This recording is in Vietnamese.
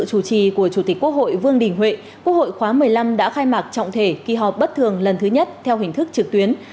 chủ tịch quốc hội khóa một mươi năm đã khai mạc trọng thể kỳ họp bất thường lần thứ nhất theo hình thức trực tuyến